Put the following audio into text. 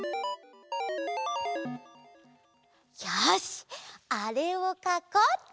よしあれをかこうっと！